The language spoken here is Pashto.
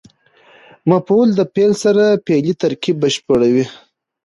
مفعول د فعل سره فعلي ترکیب بشپړوي.